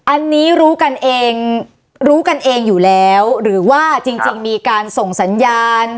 อันนี้รู้กันเองรู้กันเองอยู่แล้วหรือว่าจริงมีการส่งสัญญาณ